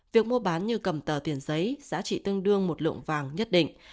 việc mua bán như cầm tờ tiền giấy giá trị tương đương một lượng vàng nhất định